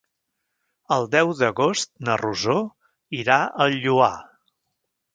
El deu d'agost na Rosó irà al Lloar.